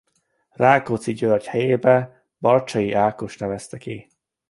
Rákóczi György helyébe Barcsay Ákost nevezte ki.